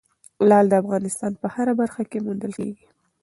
لعل د افغانستان په هره برخه کې موندل کېږي.